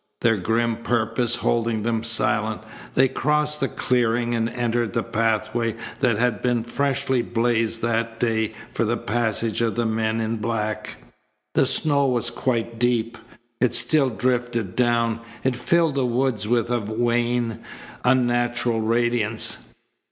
Their grim purpose holding them silent, they crossed the clearing and entered the pathway that had been freshly blazed that day for the passage of the men in black. The snow was quite deep. It still drifted down. It filled the woods with a wan, unnatural radiance.